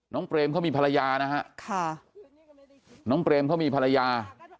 น้องเตรียมเขามีภรรยานะฮะน้องเตรียมเขามีภรรยา